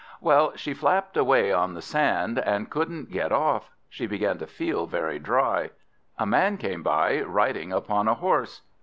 Well, she flapped away on the sand, and couldn't get off; she began to feel very dry. A man came by, riding upon a horse.